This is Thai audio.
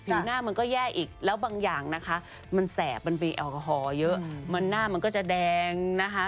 หน้ามันก็แย่อีกแล้วบางอย่างนะคะมันแสบมันมีแอลกอฮอลเยอะหน้ามันก็จะแดงนะคะ